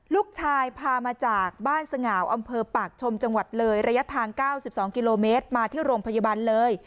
ลูกชายพามาจากบ้านสง่าวอำเภอปากชมจังหวัดเลยระยะทาง๙๒กิโลเมตรมาที่โรงพยาบาลเลย